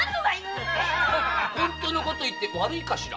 ほんとのこと言って悪いかしら？